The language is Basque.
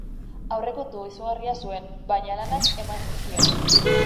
Aurrekontu izugarria zuen, baina lanak eman zizkion.